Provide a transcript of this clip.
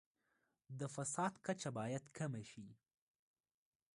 د فساد کچه باید کمه شي.